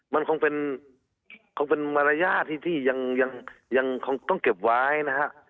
มันคงเป็นมารยาทที่ยังต้องเก็บไว้นะครับ